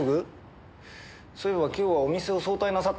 そういえば今日はお店を早退なさったそうですね。